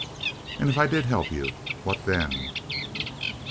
"And if I did help you, what then?"